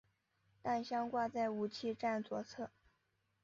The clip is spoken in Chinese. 弹箱挂在武器站左侧。